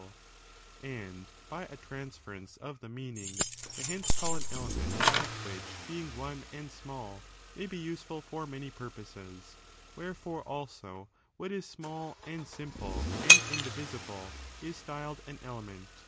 Derived And, by a transference of the meaning, tbey meaning of hcncc Call an element that which being one and "^°'''"''*" smaU may be useful for many purposes ; where fore, also, what is small, and simple, and indivisible, is styled an element.